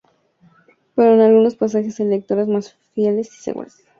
Pero en algunos pasajes hay lecturas más fieles y seguras.